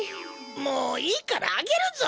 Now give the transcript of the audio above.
もういいからあげるぞ！